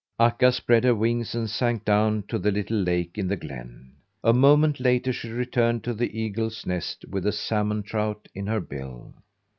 Akka spread her wings and sank down to the little lake in the glen. A moment later she returned to the eagles' nest with a salmon trout in her bill.